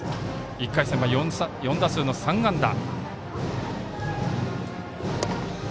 １回戦は４打数の３安打。